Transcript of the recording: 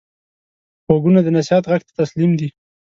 غوږونه د نصیحت غږ ته تسلیم دي